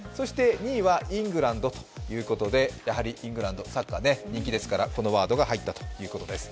２位はイングランドということで、イングランド、サッカー人気ですからこのワードが入ったということです。